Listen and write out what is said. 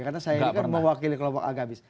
karena saya kan mewakili kelompok agamis